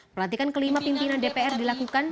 pelantikan kelima pimpinan dpr dilakukan